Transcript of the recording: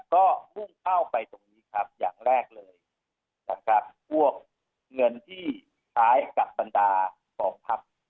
ก็มุ่งเข้าไปตรงนี้ครับอย่างแรกเลยนะครับพวกเงินที่คล้ายกับบรรดากองทัพ